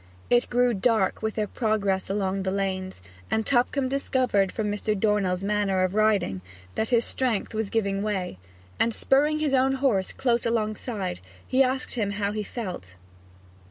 It grew darker with their progress along the lanes, and Tupcombe discovered from Mr. Dornell's manner of riding that his strength was giving way; and spurring his own horse close alongside, he asked him how he felt.